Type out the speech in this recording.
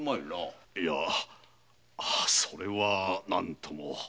はぁそれは何とも。